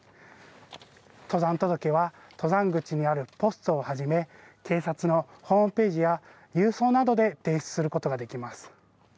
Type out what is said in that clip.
登山届は登山口にあるポストをはじめ、警察のホームページや郵送などで提出することができます。